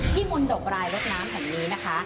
ที่มนต์ดกรายลดน้ำแห่งนี้นะคะ